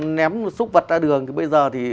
ném xúc vật ra đường thì bây giờ thì